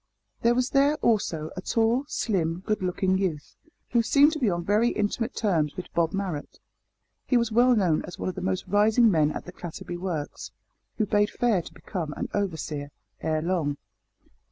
There was there, also, a tall, slim, good looking youth, who seemed to be on very intimate terms with Bob Marrot. He was well known as one of the most rising men at the Clatterby works, who bade fair to become an overseer ere long.